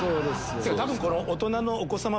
多分大人のお子様